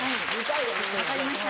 分かりました。